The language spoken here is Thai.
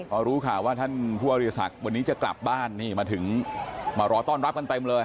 พอรู้ข่าวว่าท่านผู้อริสักวันนี้จะกลับบ้านนี่มาถึงมารอต้อนรับกันเต็มเลย